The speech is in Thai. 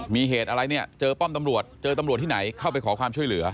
มีเหตุอะไรเนี่ยเจอป้อมตำรวจเจอตำรวจที่ไหนเข้าไปขอความช่วยเหลือ